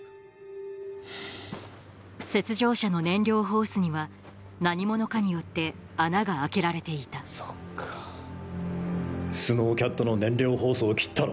雪上車の燃料ホースには何者かによって穴が開けられていたスノーキャットの燃料ホースを切ったのは。